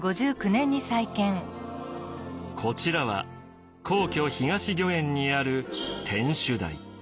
こちらは皇居東御苑にある天守台。